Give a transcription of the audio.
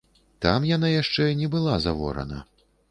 Там яна яшчэ не была заворана.